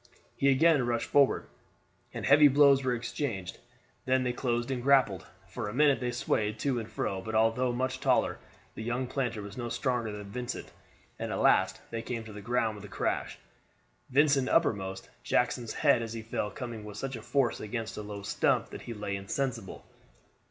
He again rushed forward, and heavy blows were exchanged; then they closed and grappled. For a minute they swayed to and from but although much taller, the young planter was no stronger than Vincent, and at last they came to the ground with a crash, Vincent uppermost, Jackson's head as he fell coming with such force against a low stump that he lay insensible.